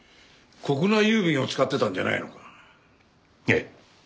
国内郵便を使ってたんじゃないのか？